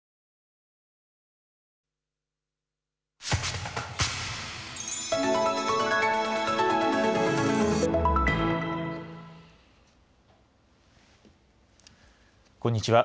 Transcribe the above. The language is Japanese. こんにちは。